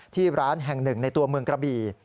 ที่ร้านแห่งหนึ่งในตัวเมืองกระบี่